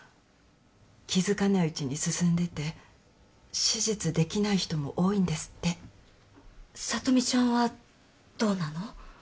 気づかないうちに進んでて手術できない人も多いんですって聡美ちゃんはどうなの？